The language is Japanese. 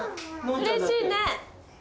うれしいね。